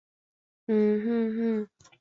她首次在美国萤光幕亮相是在的系列剧。